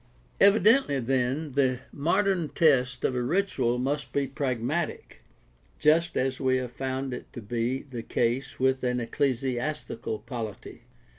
Evidently, then, the modern test of a ritual must be prag matic, just as we have found it to be the case with an ecclesi astical polity.